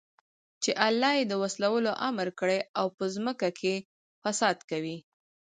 چې الله ئې د وصلَولو امر كړى او په زمكه كي فساد كوي